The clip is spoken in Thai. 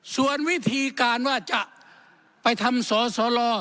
ส่วนวิธีการว่าจะไปทำสสล